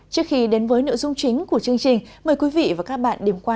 trước khi đến với nội dung chính của chương trình mời quý vị và các bạn điểm qua